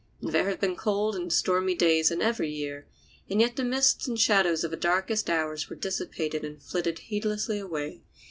And there have been cold and stormy days in every year, and yet the mists and shadows of the darkest hours were dissipated and flitted heedlessly away.